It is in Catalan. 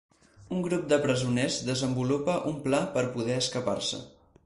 Un grup de presoners desenvolupa un pla per poder escapar-se.